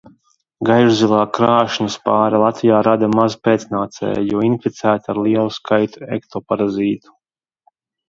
Gaišzilā krāšņspāre Latvijā rada maz pēcnācēju, jo inficēta ar lielu skaitu ektoparazītu.